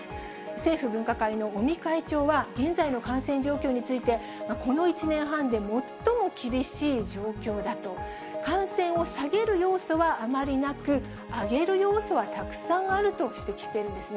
政府分科会の尾身会長は、現在の感染状況について、この１年半で最も厳しい状況だと、感染を下げる要素はあまりなく、上げる要素はたくさんあると指摘しているんですね。